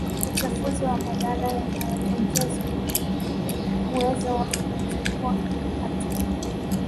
uchafuzi na madhara yanayotokezwaIwapo uwezo wa kuchukua hatua